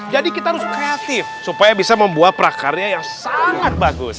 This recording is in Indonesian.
jadi kita harus kreatif supaya bisa membuat prakarya yang sangat bagus